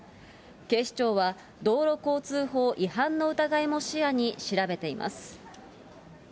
警視庁は道路交通法違反の疑いも視野に調べています。